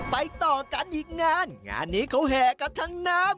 ต่อกันอีกงานงานนี้เขาแห่กันทั้งน้ำ